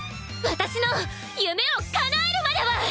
私の夢をかなえるまでは！